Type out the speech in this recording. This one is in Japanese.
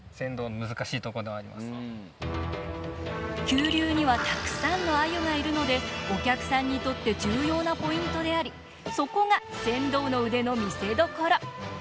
急流にはたくさんのアユがいるのでお客さんにとって重要なポイントでありそこが船頭の腕の見せどころ。